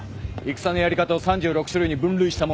戦のやり方を３６種類に分類したものだろ。